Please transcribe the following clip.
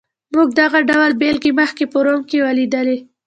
موږ دغه ډول بېلګې مخکې په روم کې ولیدلې.